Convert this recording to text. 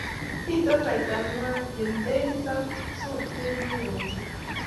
Mito kaita ngwang ye lekit ak sotwee ne oo ochei.